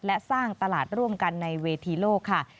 และสร้างตลาดร่วมกันในเวทีโลกค่ะ